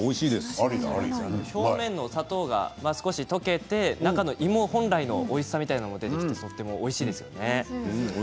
表面の砂糖が少し溶けて中のいも本来のおいしさみたいなものが出てきておいしいですよね。